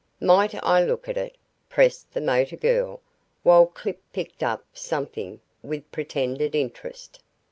"Might I look at it?" pressed the motor girl, while Clip picked up something with pretended interest.